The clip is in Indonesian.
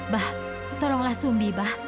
ba tolonglah sumi ba